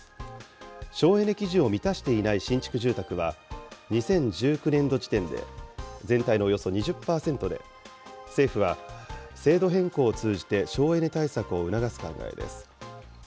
省エネ基準を満たしていない新築住宅は、２０１９年度時点で全体のおよそ２０％で、政府は、制度変更を通じて省エネ対策を促す考えです。